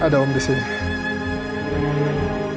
ada om di sini